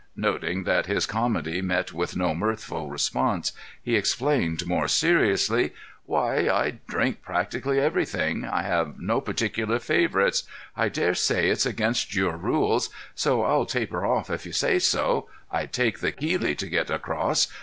Noting that his comedy met with no mirthful response, he explained more seriously: "Why, I drink practically everything. I have no particular favorites. I dare say it's against your rules, so I'll taper off if you say so. I'd take the Keeley to get across.